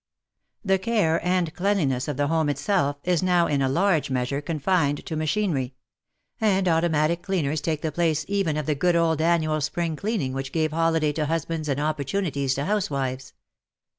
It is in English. The care and cleanliness of the home itself is now in a large measure confided to machinery, — and automatic cleaners take the place even of the good old annual spring cleaning which gave holiday to husbands and opportunities to housewives.